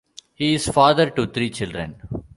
He is father to three children.